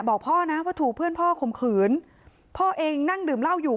บอกพ่อนะว่าถูกเพื่อนพ่อข่มขืนพ่อเองนั่งดื่มเหล้าอยู่